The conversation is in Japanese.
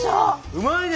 うまいね！